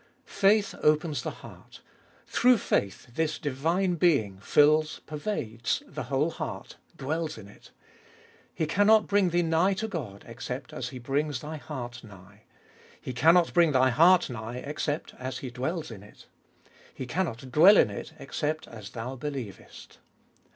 3. Faith opens the heart— through faith this divine Being fills, pervades, the whole heart, dwells in it. He cannot bring thee nigh to God except as He brings thy heart nigh. He cannot bring thy heart nigh except as He dwells in it. He cannot dwell in it except as thou believeat.